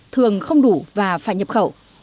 thường không đủ và phải nhập khẩu